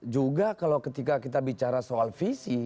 juga kalau ketika kita bicara soal visi